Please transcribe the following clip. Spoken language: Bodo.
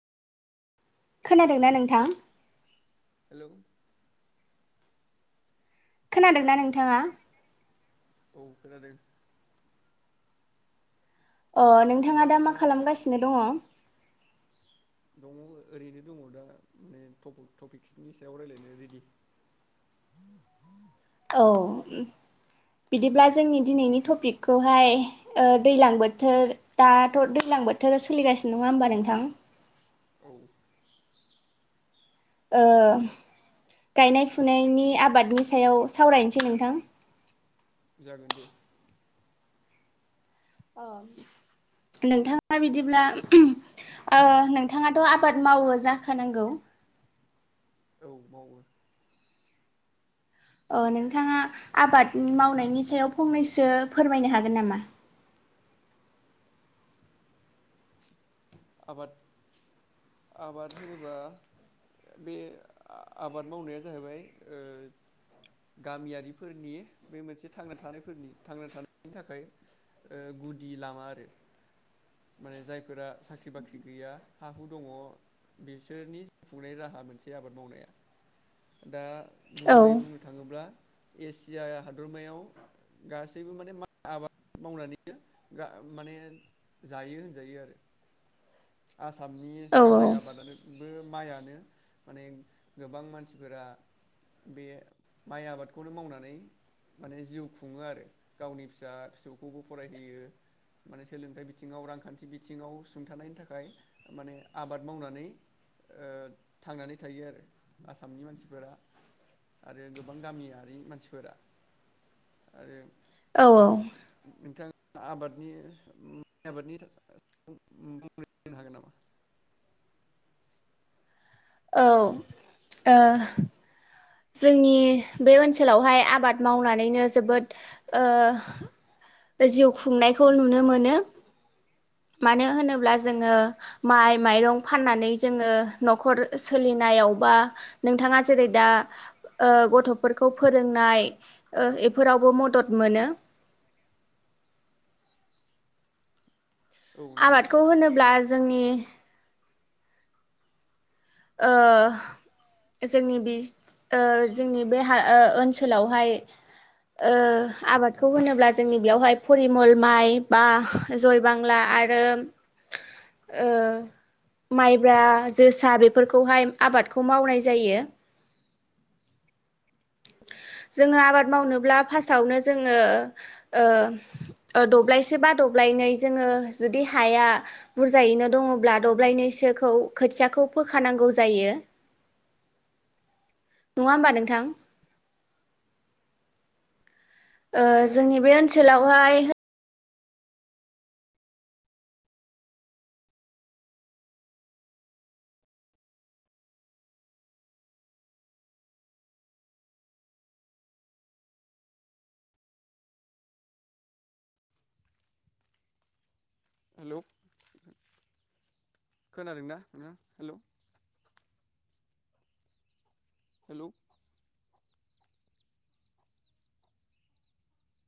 खोनादोंना नोंथां? [inaudible] खोनादोंना नोंथाङा? औ खोनादों। अ नोंथाङा दा मा खालामगासिनो दङ? दङ ओरैनो दङ दा माने ट-टपिक्सनि सायाव रायज्लायनो रेडि औ बिदिब्ला जोंनि दिनैनि टपिकखौहाय ओ दैज्लां बोथोर दाथ' दैज्लां बोथोरा सोलिगासिनो नङा होमबा नोंथां। औ। ओ। गायनाय फुनायनि आबादनि सायाव सावरायनोसै नोंथां। जागोन दे। अ नोंथाङा बिदिब्ला [unintelligible] ओ नोंथाङाथ' आबाद मावो जाखानांगौ। औ मावो। अ नोंथाङा आबाद मावनायनि सायाव फंनैसो फोरमायनो हागोन नामा? आबाद आबाद होनोबा बे आबाद मावनाया जाहैबाय ओ गामियारिफोरनि बे मोनसे थांना थानायफोरनि थांना थानायनि थाखाय ओ गुदि लामा आरो माने जायफोरा सा ख्रि बाख्रि गैया हा हु दङ बिसोरनि जिव खुंनाय राहा मोनसे आबाद मावनाया दा औ गुबैयै बुंनो थाङोब्ला एसिया हादरमायाव गासैबो माने मा आ मावनानै रा माने जायो होनजायो आरो। आसामनि औ गाहाय आबादानो बो माइआनो माने गोबां मानसिफोरा बे माइ आबादखौनो मावनानै माने जिउ खुंङो आरो गावनि फिसा फिसौखौबो फरायहोयो माने सोलोंथाइ बिथिंङाव रांखान्थि बिथिंङाव सुंथानायनि थाखाय फ्राय माने आबाद मावनानै ओ थांनानै थायो आरो आसामनि मानसिफोरा आरो गोबां गामियारि मानसिफोरा आरो औऔ नोंथांङा आबादनि उम आबादनि था [unintelligible] बेब हागोन नामा? औ ओ जोंनि बे ओनसोलावहाय आबाद मावनानैनो जोबोद ओ बे जिउ खुंनायखौ नुनो मोनो मानो होनोब्ला जोंङो माइ माइरं फाननानै जोंङो न'खर सोलिनायाव बा नोंथाङा जेरै दा ओ गथ'फोरखौ फोरोंनाय ओ बेफोरावबो मदद मोनो। औ नंगौ आबादखौ होनोब्ला जोंनि ओ जोंनि बि ओ जोंनि बे ओ ओनसोलावहाय ओ आबादखौ होनोब्ला जोंनि बेयावहाय फरिमल माइ बा जय बांला आरो ओ माइब्रा जोसा बेब फोरखौहाय आबादखौ मावनाय जायो। जोंङो आबाद मावनोब्ला फार्स्टावनो जोंङो ओ दब्लायसे बा दब्लायनै जोंङो जुदि हाया बुरजायैनो दंङब्ला दब्लायनैसोखौ खोथियाखौ फोखानांगौ जायो। नंङा होमबा नोंथां? ओ जोंनि बे ओनसोलावहाय हेलौ खोनादोंं ना नोंथां? Hello hello